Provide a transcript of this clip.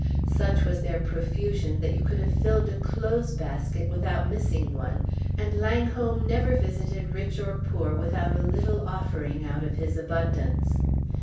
Such was their profusion that you could have filled a clothes basket without missing one, and Langholm never visited rich or poor without a little offering out of his abundance.